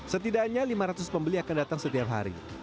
setidaknya lima ratus pembeli akan datang setiap hari